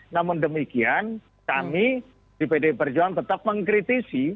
namun demikian kami di bd perjuang tetap mengkritisi